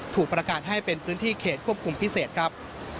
ถูกประกาศให้เป็นพื้นที่เขตควบคุมพิเศษครับ